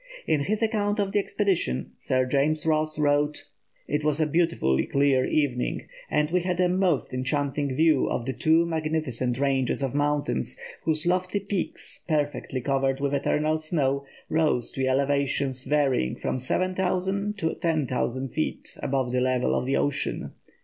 In his account of the expedition, Sir James Ross wrote: "It was a beautifully clear evening, and we had a most enchanting view of the two magnificent ranges of mountains, whose lofty peaks, perfectly covered with eternal snow, rose to elevations varying from 7000 to 10,000 feet above the level of the ocean.